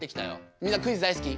みんなクイズ大好き？